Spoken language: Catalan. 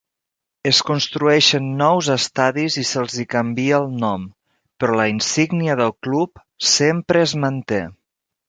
Es construeixen nous estadis i se'ls hi canvia el nom, però la insígnia del club sempre es manté.